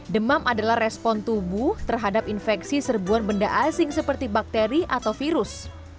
demam adalah respon tubuh terhadap infeksi serbuan benda asing seperti bakteri atau virus